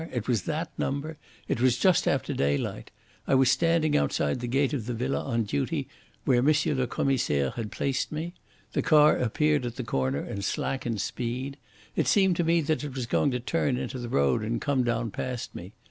It was that number. It was just after daylight. I was standing outside the gate of the villa on duty where M. le Commissaire had placed me. The car appeared at the corner and slackened speed. It seemed to me that it was going to turn into the road and come down past me.